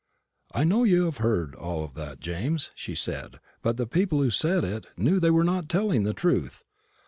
'I know you have heard all that, James,' she said; 'but the people who said it knew they were not telling the truth.